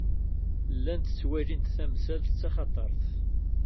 Llant ttwalint tamsalt d taxatart.